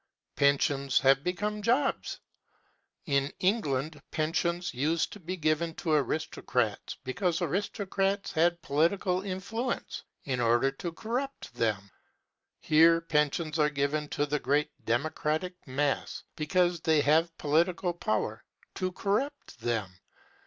Pensions have become jobs. In England pensions used to be given to aristocrats, because aristocrats had political influence, in order to corrupt them. Here pensions are given to the great democratic mass, because they have political power, to corrupt them.